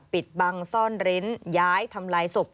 ปิดบังซ่อนเร้นย้ายทำลายศพ